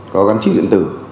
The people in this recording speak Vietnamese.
có gắn chip điện tử